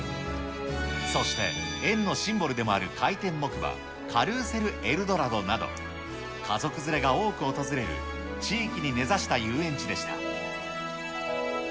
そして、園のシンボルでもある回転木馬、カルーセルエルドラドなど、家族連れが多く訪れる地域に根ざした遊園地でした。